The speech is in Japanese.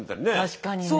確かにねえ。